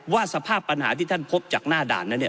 ว่าสภาพปัญหาที่ท่านพบจากหน้าด่านนั้น